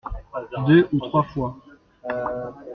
Deux ou trois fois.